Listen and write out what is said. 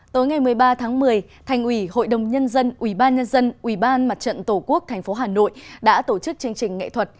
tối ngày một mươi ba tháng một mươi thành ủy hội đồng nhân dân ubnd ubnd mặt trận tổ quốc tp hà nội đã tổ chức chương trình nghệ thuật